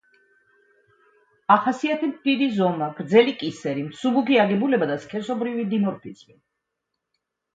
ახასიათებთ დიდი ზომა, გრძელი კისერი, მსუბუქი აგებულება და სქესობრივი დიმორფიზმი.